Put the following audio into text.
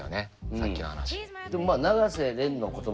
さっきの話。